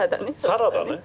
サラダね。